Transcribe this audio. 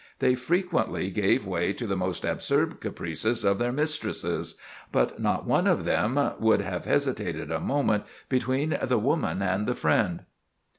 They frequently gave way to the most absurd caprices of their mistresses; but not one of them would have hesitated a moment between the woman and the friend."